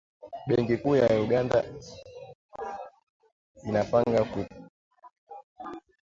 Benki kuu ya Uganda inapanga kutoa sarafu ya kidigitali, na haijapiga marufuku sarafu ya kimtandao